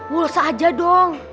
polos aja dong